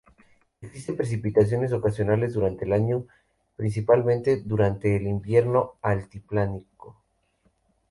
Existen precipitaciones ocasionales durante el año principalmente durante el ""invierno altiplánico"".